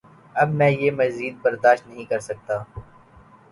اب میں یہ مزید برداشت نہیں کرسکتا